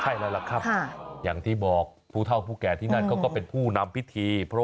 ใช่แล้วล่ะครับอย่างที่บอกผู้เท่าผู้แก่ที่นั่นเขาก็เป็นผู้นำพิธี